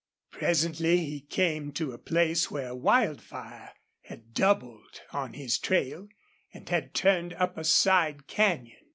Presently he came to a place where Wildfire had doubled on his trail and had turned up a side canyon.